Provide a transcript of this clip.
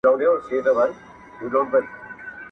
o په سلايي باندي د تورو رنجو رنگ را واخلي.